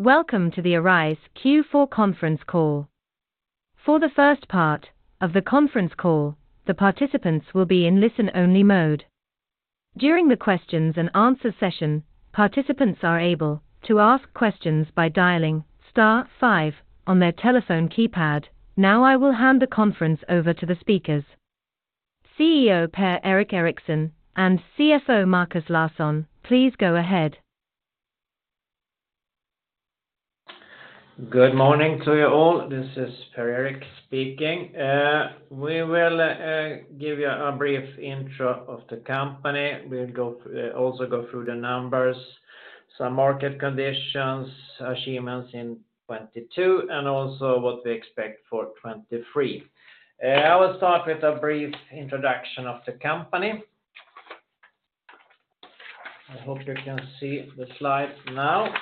Welcome to the Arise Q4 conference call. For the first part of the conference call, the participants will be in listen-only mode. During the questions and answer session, participants are able to ask questions by dialing star five on their telephone keypad. I will hand the conference over to the speakers. CEO Per-Erik Eriksson and CFO Markus Larsson, please go ahead. Good morning to you all. This is Per-Erik speaking. We will give you a brief intro of the company. We'll also go through the numbers, some market conditions, achievements in 2022, and also what we expect for 2023. I will start with a brief introduction of the company. I hope you can see the slide now.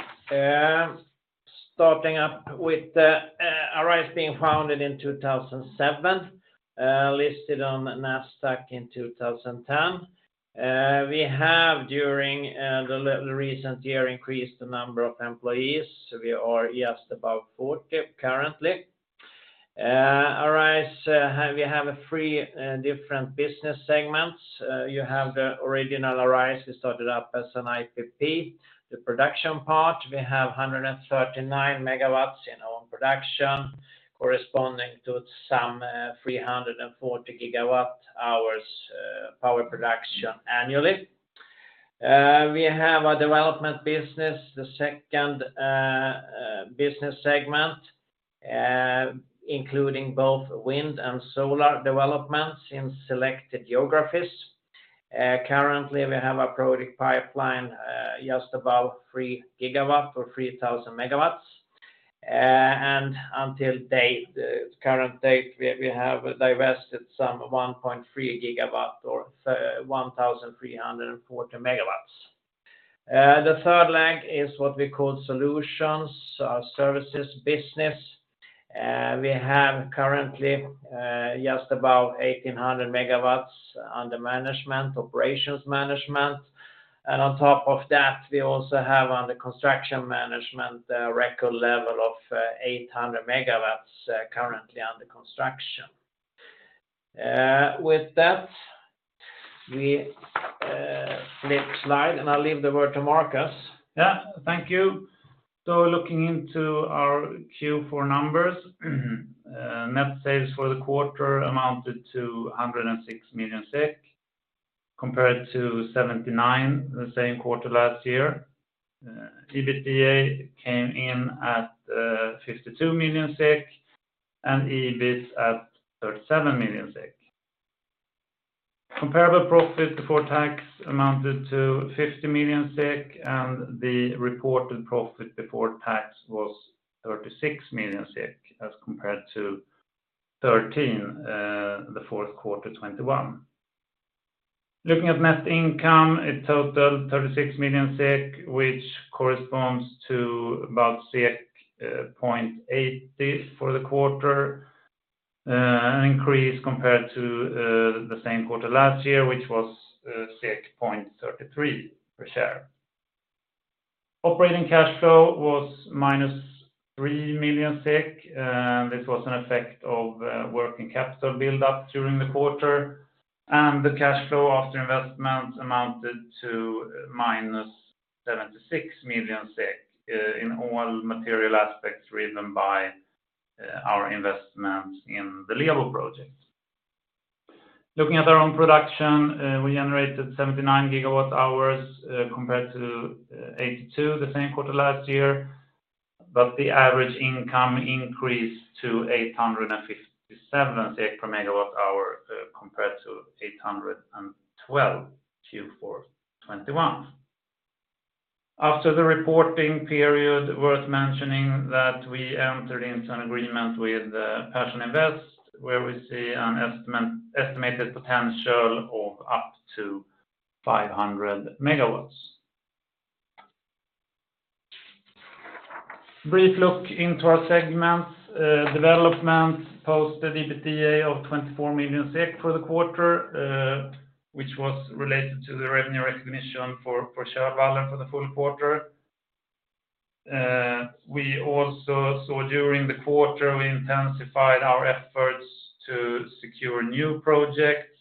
Starting up with the Arise being founded in 2007, listed on Nasdaq in 2010. We have, during the recent year, increased the number of employees. We are just about 40 currently. Arise, we have three different business segments. You have the original Arise. We started up as an IPP. The production part, we have 139 MW in our own production, corresponding to some 340 GWh power production annually. We have a development business, the second business segment, including both wind and solar developments in selected geographies. Currently, we have a project pipeline, just about 3 GW or 3,000 MW. Until date, the current date, we have divested some 1.3 GW or 1,340 MW. The third leg is what we call solutions, our services business. We have currently, just about 1,800 MW under management, operations management. On top of that, we also have under construction management, record level of 800 MW currently under construction. With that, we flip slide, and I'll leave the word to Marcus. Thank you. Looking into our Q4 numbers, net sales for the quarter amounted to 106 million SEK, compared to 79 million the same quarter last year. EBITDA came in at 52 million SEK, and EBIT at 37 million SEK. Comparable profit before tax amounted to 50 million SEK, and the reported profit before tax was 36 million as compared to 13 million the fourth quarter 2021. Looking at net income, a total 36 million SEK, which corresponds to about 0.80 for the quarter, an increase compared to the same quarter last year, which was 0.33 per share. Operating cash flow was -3 million, this was an effect of working capital build-up during the quarter. The cash flow after investment amounted to -76 million SEK, in all material aspects driven by our investment in the Lebo projects. Looking at our own production, we generated 79 GWh compared to 82 GW the same quarter last year, but the average income increased to 857 per megawatt hour compared to 812 Q4 2021. After the reporting period, worth mentioning that we entered into an agreement with Persson Invest, where we see an estimated potential of up to 500 MW. Brief look into our segments. Development posted EBITDA of 24 million SEK for the quarter, which was related to the revenue recognition for Tjärvallen for the full quarter. We also saw during the quarter, we intensified our efforts to secure new projects.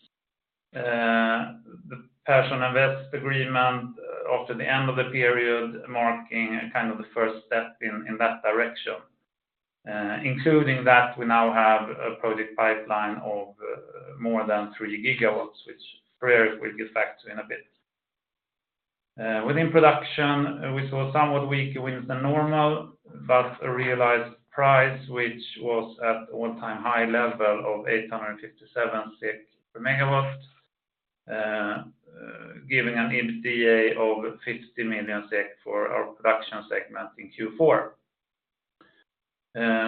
The Persson Invest agreement after the end of the period marking kind of the first step in that direction. Including that, we now have a project pipeline of more than 3 GW, which Per-Erik will get back to in a bit. Within production, we saw somewhat weaker winds than normal, but a realized price which was at all-time high level of 857 per megawatt, giving an EBITDA of 50 million SEK for our production segment in Q4.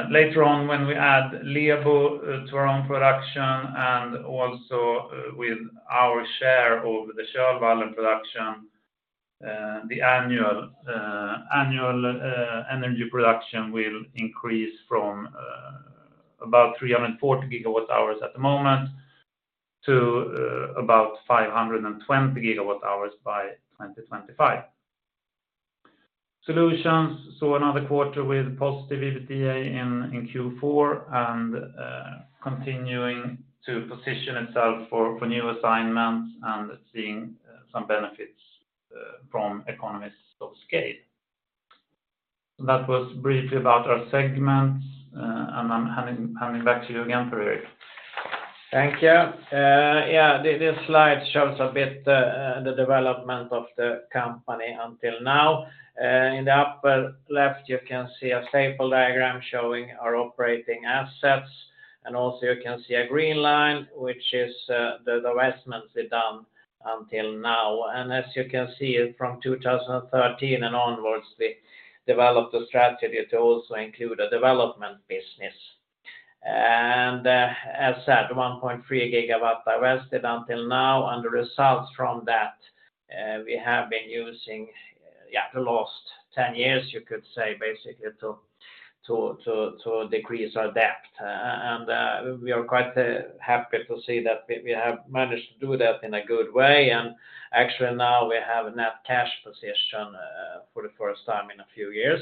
Later on when we add Lebo to our own production and also with our share of the Tjärvallen production, the annual energy production will increase from about 340 GWh at the moment to about 520 GWh by 2025. Solutions. Another quarter with positive EBITDA in Q4, continuing to position itself for new assignments, seeing some benefits from economies of scale. That was briefly about our segments. I'm handing back to you again, Per-Erik. Thank you. This slide shows a bit the development of the company until now. In the upper left, you can see a staple diagram showing our operating assets, and also you can see a green line, which is the investments we've done until now. As you can see, from 2013 and onwards, we developed a strategy to also include a development business. As said, 1.3 GW invested until now, and the results from that, we have been using the last 10 years, you could say, basically to decrease our debt. We are quite happy to see that we have managed to do that in a good way. Actually now we have a net cash position for the first time in a few years.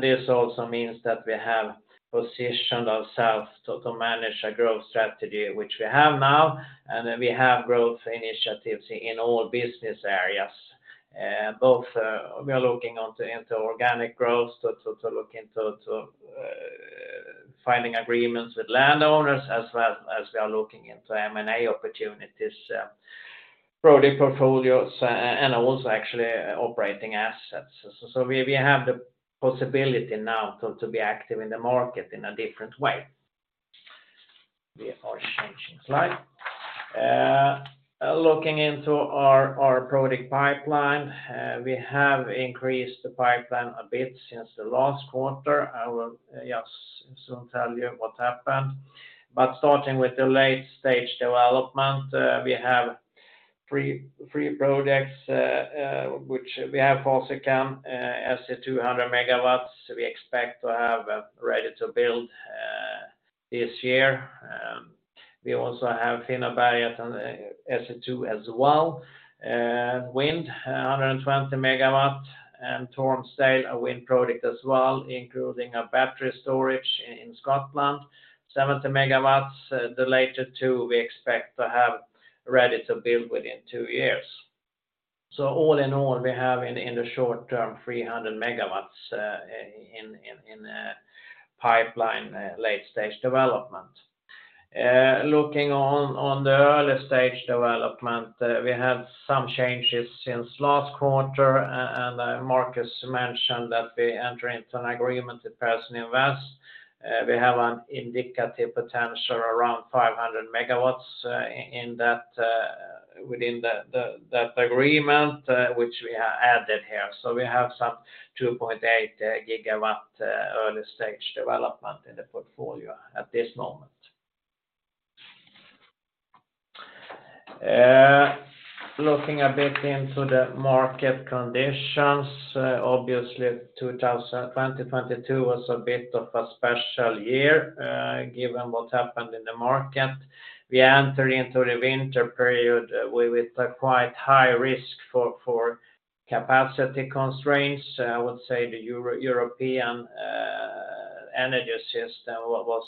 This also means that we have positioned ourselves to manage a growth strategy which we have now, and that we have growth initiatives in all business areas. Both, we are looking onto inter-organic growth to look into finding agreements with landowners as well as we are looking into M&A opportunities, product portfolios, and also actually operating assets. We have the possibility now to be active in the market in a different way. We are changing slide. Looking into our product pipeline, we have increased the pipeline a bit since the last quarter. I will, yes, soon tell you what happened. Starting with the late-stage development, we have three projects, which we have Falsterbo, as a 200 MW. We expect to have ready to build this year. We also have Finnåberget, wind, 120 MW, and Tormsdale, a wind product as well, including a battery storage in Scotland, 70 MW. The later two we expect to have ready to build within two years. All in all, we have in the short term, 300 MW in pipeline, late-stage development. Looking on the early-stage development, we have some changes since last quarter, and Marcus mentioned that we enter into an agreement with Persson Invest. We have an indicative potential around 500 MW in that within that agreement, which we have added here. We have some 2.8 GW early stage development in the portfolio at this moment. Looking a bit into the market conditions, obviously 2022 was a bit of a special year, given what happened in the market. We enter into the winter period with a quite high risk for capacity constraints. I would say the European energy system was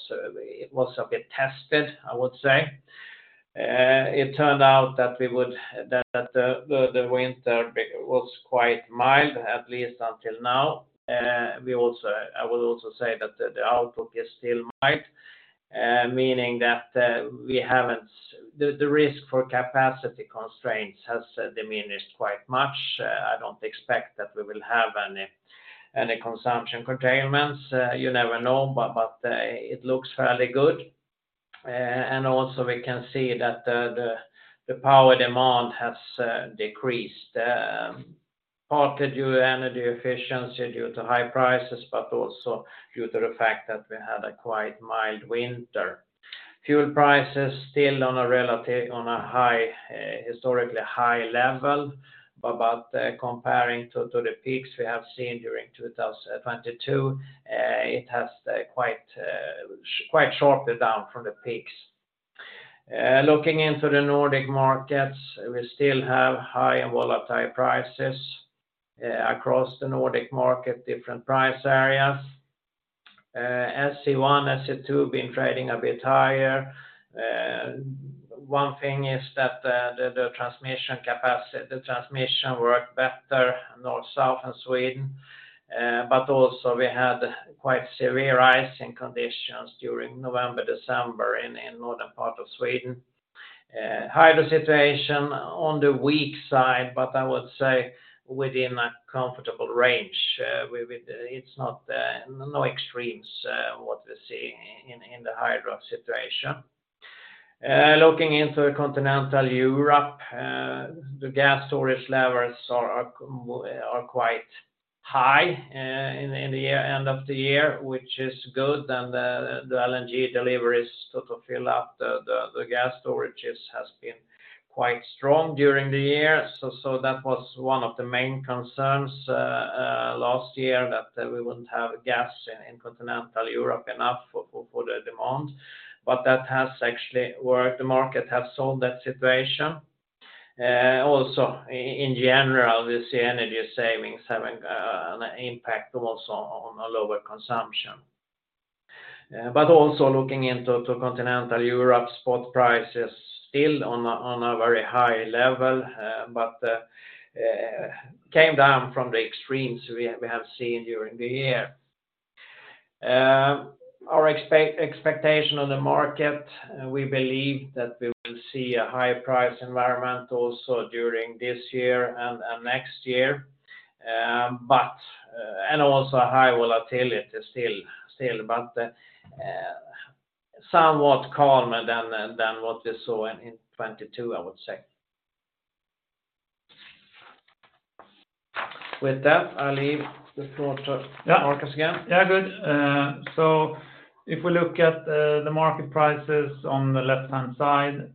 a bit tested, I would say. It turned out that the winter was quite mild, at least until now. I will also say that the outlook is still mild, meaning that the risk for capacity constraints has diminished quite much. I don't expect that we will have any consumption containments. You never know, but it looks fairly good. Also we can see that the power demand has decreased partly due to energy efficiency, due to high prices, but also due to the fact that we had a quite mild winter. Fuel prices still on a high historically high level, but comparing to the peaks we have seen during 2022, it has quite sharply down from the peaks. Looking into the Nordic markets, we still have high and volatile prices across the Nordic market, different price areas. SE1, SE2 have been trading a bit higher. One thing is that the transmission worked better North, South in Sweden, but also we had quite severe icing conditions during November, December in Northern part of Sweden. Hydro situation on the weak side. I would say within a comfortable range. It's not no extremes what we're seeing in the hydro situation. Looking into Continental Europe, the gas storage levels are quite high in the end of the year, which is good. The LNG deliveries to fill up the gas storages has been quite strong during the year. That was one of the main concerns last year that we wouldn't have gas in Continental Europe enough for the demand. That has actually worked. The market has solved that situation. Also in general, we see energy savings having an impact also on lower consumption. Also looking into Continental Europe, spot price is still on a very high level, but came down from the extremes we have seen during the year. Our expectation on the market, we believe that we will see a high-price environment also during this year and next year. And also high volatility still, but somewhat calmer than what we saw in 2022, I would say. With that, I'll leave the floor to Marcus again. Good. If we look at the market prices on the left-hand side,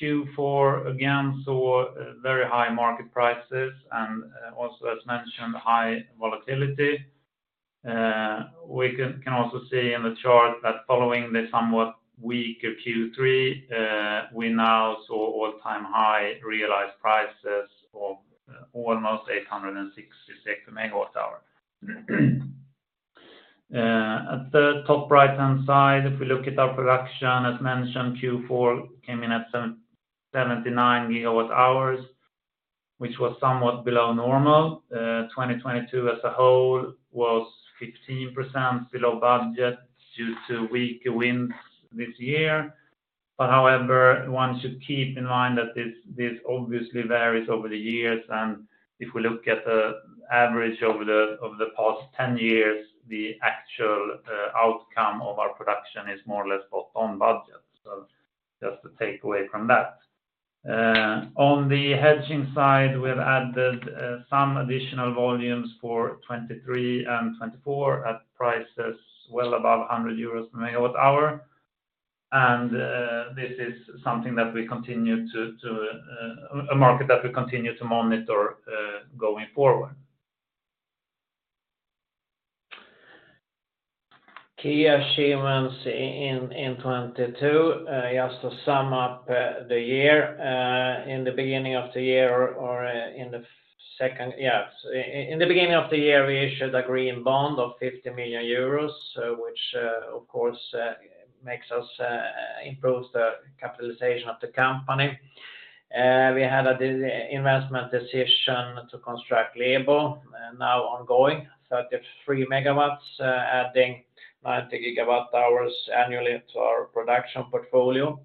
Q4 again saw very high market prices and also, as mentioned, high volatility. We can also see in the chart that following the somewhat weaker Q3, we now saw all-time high realized prices of almost 866 MWh. At the top right-hand side, if we look at our production, as mentioned, Q4 came in at 779 GWh, which was somewhat below normal. 2022 as a whole was 15% below budget due to weak winds this year. However, one should keep in mind that this obviously varies over the years, and if we look at the average over the past 10 years, the actual outcome of our production is more or less spot on budget. Just to take away from that. On the hedging side, we have added some additional volumes for 2023 and 2024 at prices well above 100 euros MWh. This is something that we continue to monitor going forward. Key achievements in 2022, just to sum up the year. In the beginning of the year, we issued a green bond of 50 million euros, which of course makes us improve the capitalization of the company. We had an investment decision to construct Lebo, now ongoing, 33 MW, adding 90 GWh annually to our production portfolio.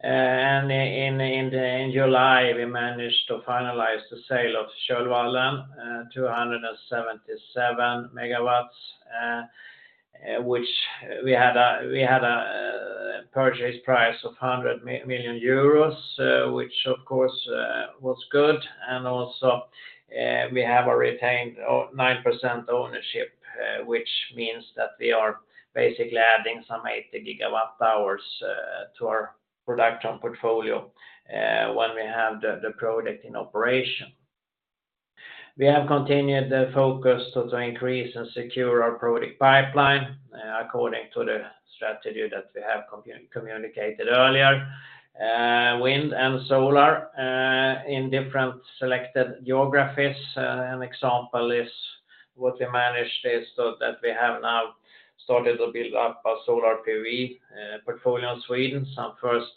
And in July, we managed to finalize the sale of Kölvallen, 277 MW, which we had a purchase price of 100 million euros, which of course was good. We have a retained 9% ownership, which means that we are basically adding some 80 GWh to our production portfolio when we have the project in operation. We have continued the focus to increase and secure our project pipeline according to the strategy that we have communicated earlier. Wind and solar in different selected geographies. An example is what we managed is that we have now started to build up a solar PV portfolio in Sweden. Some first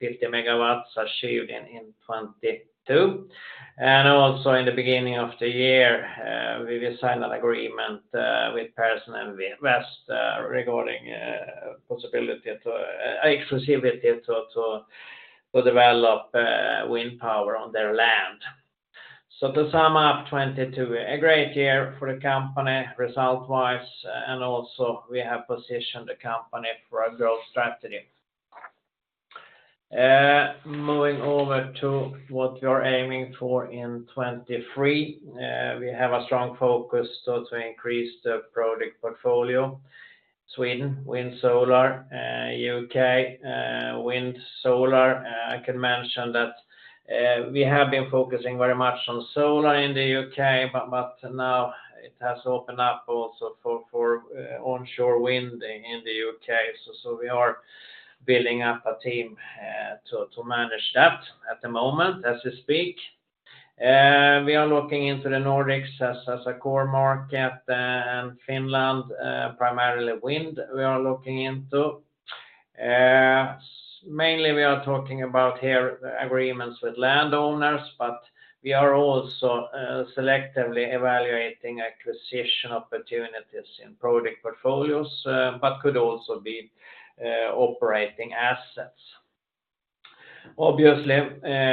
50 MW achieved in 2022. In the beginning of the year, we signed an agreement with Persson Invest regarding possibility to exclusivity to develop wind power on their land. To sum up 2022, a great year for the company result-wise, and also we have positioned the company for a growth strategy. Moving over to what we are aiming for in 2023. We have a strong focus so to increase the project portfolio. Sweden, wind, solar, U.K., wind, solar. I can mention that we have been focusing very much on solar in the U.K., but now it has opened up also for onshore wind in the U.K. We are building up a team to manage that at the moment, as we speak. We are looking into the Nordics as a core market, Finland, primarily wind we are looking into. Mainly we are talking about here agreements with landowners, but we are also selectively evaluating acquisition opportunities in project portfolios, but could also be operating assets. Obviously,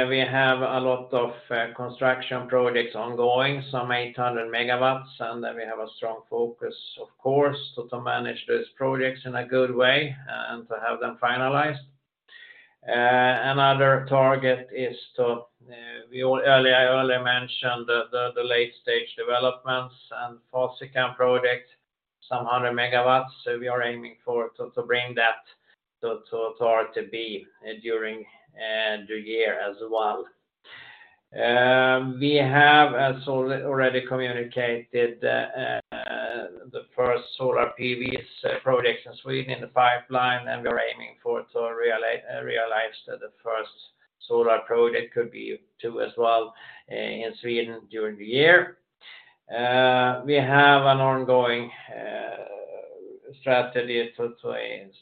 we have a lot of construction projects ongoing, some 800 MW, and then we have a strong focus, of course, to manage these projects in a good way and to have them finalized. Another target is to. We earlier mentioned the late stage developments and Fasikan project some 100 MW. We are aiming for to bring that to be during the year as well. We have also already communicated the first solar PVs projects in Sweden in the pipeline, and we're aiming for to realize that the first solar project could be two as well in Sweden during the year. We have an ongoing strategy to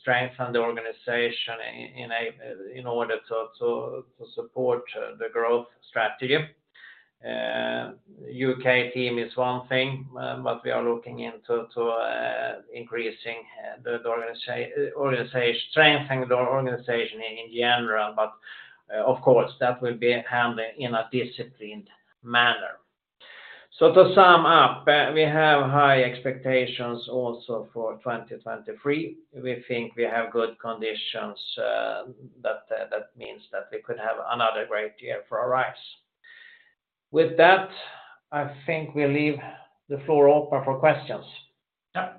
strengthen the organization in order to support the growth strategy. U.K. team is one thing, but we are looking into increasing the organization, strengthening the organization in general. Of course, that will be handled in a disciplined manner. To sum up, we have high expectations also for 2023. We think we have good conditions, that means that we could have another great year for Arise. With that, I think we leave the floor open for questions. Yeah.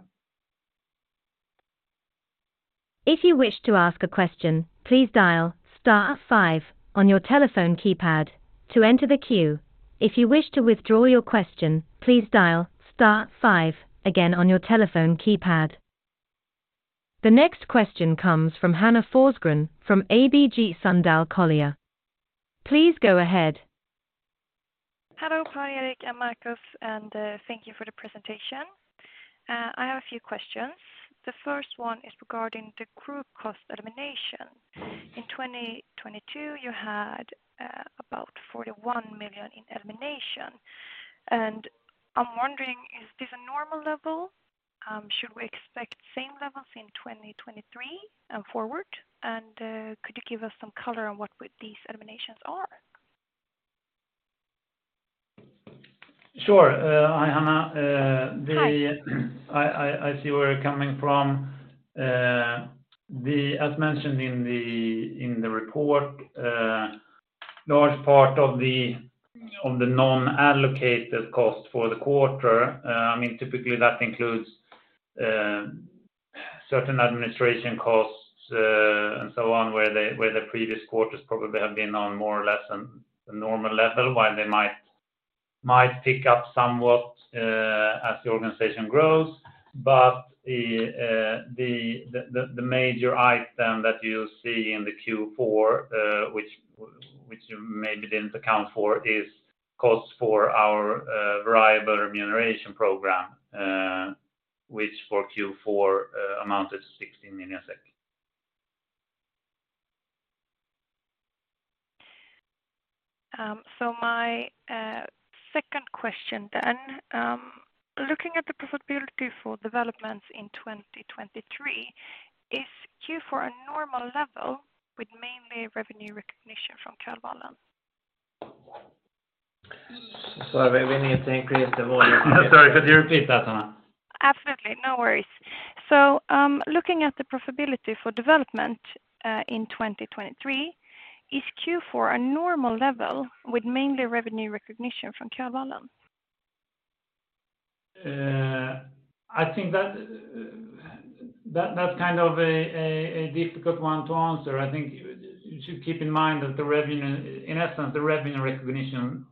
If you wish to ask a question, please dial star five on your telephone keypad to enter the queue. If you wish to withdraw your question, please dial star five again on your telephone keypad. The next question comes from Hanna Forsgren from ABG Sundal Collier. Please go ahead. Hello, Per-Erik and Marcus, thank you for the presentation. I have a few questions. The first one is regarding the group cost elimination. In 2022, you had about 41 million in elimination, and I'm wondering, is this a normal level? Should we expect same levels in 2023 and forward? Could you give us some color on what would these eliminations are? Sure. Hi, Hanna. Hi. I see where you're coming from. As mentioned in the report, large part of the non-allocated cost for the quarter, I mean, typically that includes certain administration costs, and so on, where the previous quarters probably have been on more or less a normal level, while they might pick up somewhat as the organization grows. The major item that you'll see in the Q4, which you maybe didn't account for, is costs for our variable remuneration program, which for Q4 amounted to 16 million. My second question then, looking at the profitability for developments in 2023, is Q4 a normal level with mainly revenue recognition from Kölvallen? Sorry, we need to increase the volume. Sorry, could you repeat that, Hanna? Absolutely. No worries. Looking at the profitability for development in 2023, is Q4 a normal level with mainly revenue recognition from Kölvallen? I think that's kind of a difficult one to answer. I think you should keep in mind that the revenue, in essence, the revenue recognition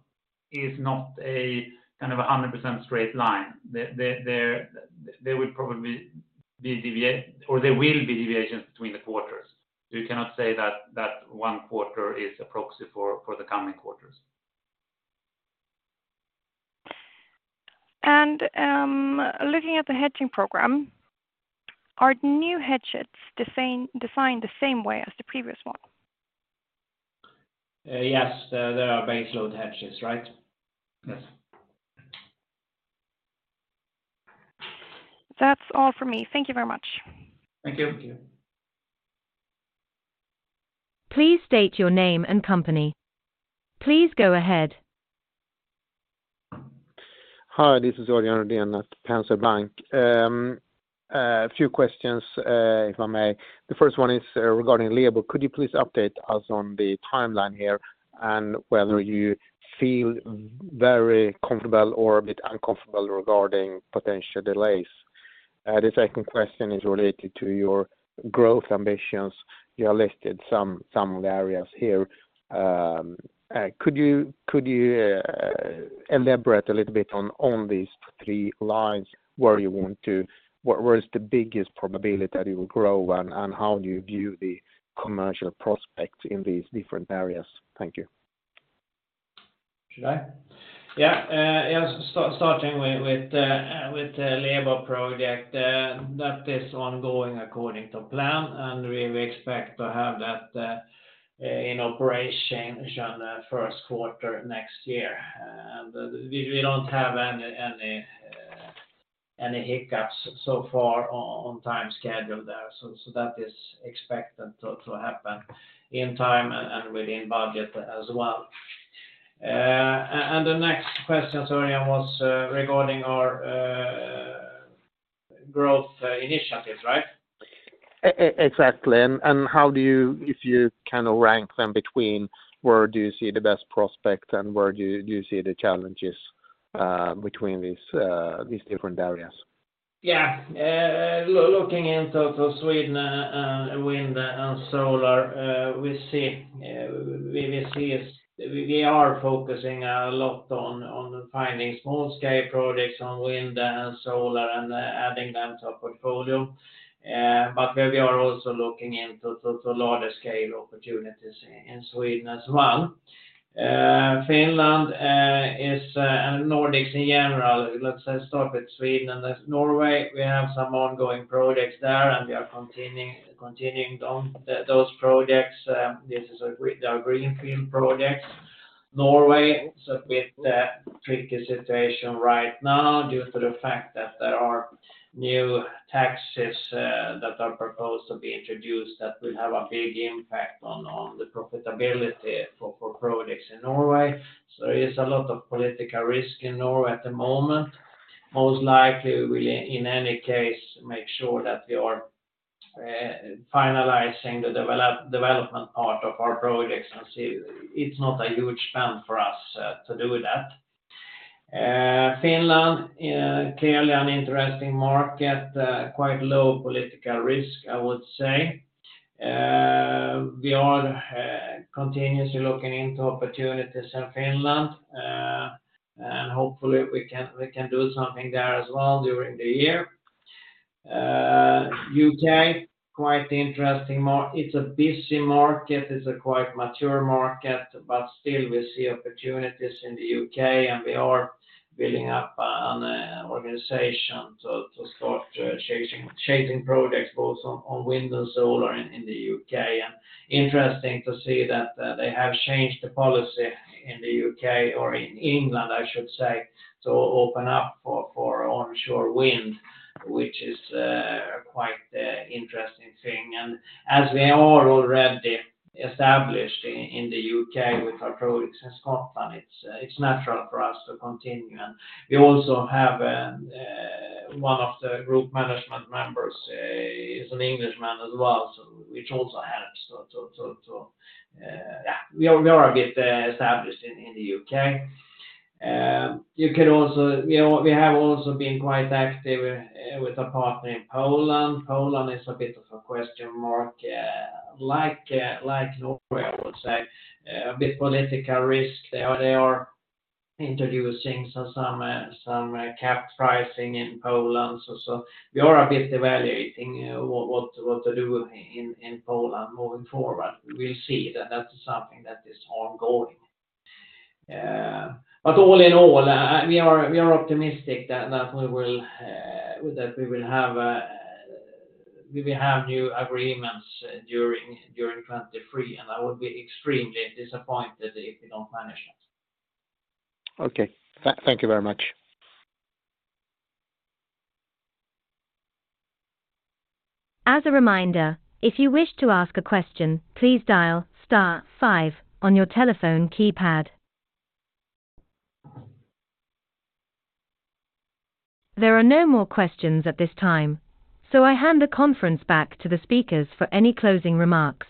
is not a, kind of a 100% straight line. There will probably be deviations between the quarters. You cannot say that that one quarter is a proxy for the coming quarters. Looking at the hedging program, are new hedges the same, designed the same way as the previous one? Yes. They are baseload hedges, right? Yes. That's all for me. Thank you very much. Thank you. Thank you. Please state your name and company. Please go ahead. Hi, this is Örjan Rödén at Penser Bank. A few questions, if I may. The first one is regarding Lebo. Could you please update us on the timeline here and whether you feel very comfortable or a bit uncomfortable regarding potential delays? The second question is related to your growth ambitions. You have listed some of the areas here. Could you elaborate a little bit on these three lines where you want to... Where is the biggest probability that it will grow and how do you view the commercial prospects in these different areas? Thank you. Should I? Yeah. Yeah. Starting with the Lebo project, that is ongoing according to plan, and we expect to have that in operation first quarter next year. We don't have any hiccups so far on time schedule there. That is expected to happen in time and within budget as well. The next question, Örjan, was regarding our growth initiatives, right? Exactly. How do you, if you kind of rank them between where do you see the best prospect and where do you see the challenges between these different areas? Yeah. Looking into Sweden, wind and solar, we are focusing a lot on finding small scale projects on wind and solar and adding them to our portfolio. Where we are also looking into larger scale opportunities in Sweden as well. Finland is Nordics in general, let's start with Sweden and Norway. We have some ongoing projects there, we are continuing on those projects. This is they are greenfield projects. Norway, it's a bit tricky situation right now due to the fact that there are new taxes that are proposed to be introduced that will have a big impact on the profitability for projects in Norway. There is a lot of political risk in Norway at the moment. Most likely we'll, in any case, make sure that we are finalizing the development part of our projects and see it's not a huge spend for us to do that. Finland clearly an interesting market, quite low political risk, I would say. We are continuously looking into opportunities in Finland, and hopefully we can do something there as well during the year. U.K., quite interesting. It's a busy market, it's a quite mature market, but still we see opportunities in the U.K., And we are building up an organization to start chasing projects both on wind and solar in the U.K. Interesting to see that they have changed the policy in the U.K. or in England, I should say, to open up for onshore wind, which is quite interesting thing. As we are already established in the U.K. with our projects in Scotland, it's natural for us to continue. We also have one of the group management members is an Englishman as well, so which also helps to, we are a bit established in the U.K. We have also been quite active with a partner in Poland. Poland is a bit of a question mark, like Norway, I would say. A bit political risk. They are introducing some cap pricing in Poland. We are a bit evaluating what to do in Poland moving forward. We'll see that that's something that is ongoing. All in all, we are optimistic that we will have new agreements during 2023, and I would be extremely disappointed if we don't manage it. Okay. Thank you very much. As a reminder, if you wish to ask a question, please dial star five on your telephone keypad. There are no more questions at this time, I hand the conference back to the speakers for any closing remarks.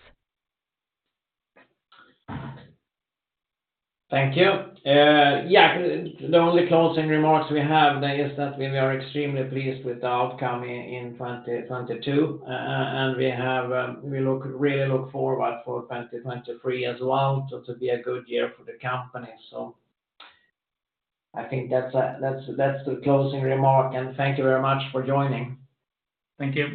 Thank you. Yeah, the only closing remarks we have is that we are extremely pleased with the outcome in 2022. We really look forward for 2023 as well to be a good year for the company. I think that's the closing remark, and thank you very much for joining. Thank you.